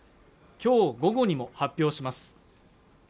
きょう午後にも発表します